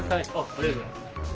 ありがとうございます。